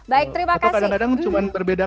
baik terima kasih kadang kadang cuma berbeda